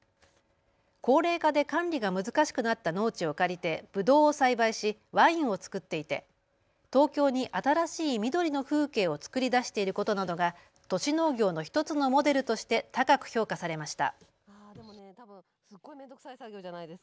高齢化で管理が難しくなった農地を借りてブドウを栽培しワインを造っていて東京に新しい緑の風景を作り出していることなどが都市農業の１つのモデルとして高く評価されました。